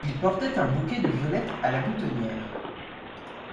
Il portait un bouquet de violettes a la boutonniere.